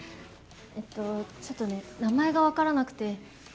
あのちょっと名前が分からなくて。